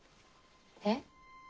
えっ？